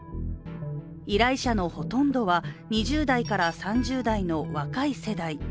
依頼者のほとんどは２０代から３０代の若い世代。